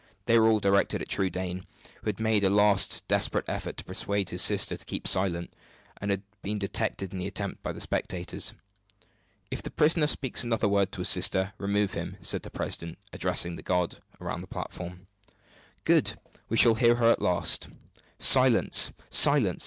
They were all directed at Trudaine, who had made a last desperate effort to persuade his sister to keep silence, and had been detected in the attempt by the spectators. "If the prisoner speaks another word to his sister, remove him," said the president, addressing the guard round the platform. "Good! we shall hear her at last. Silence! silence!"